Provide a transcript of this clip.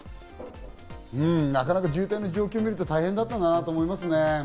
なかなか渋滞の状況を見ると大変だったんだなと思いますね。